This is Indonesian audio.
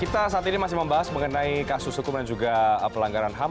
kita saat ini masih membahas mengenai kasus hukum dan juga pelanggaran ham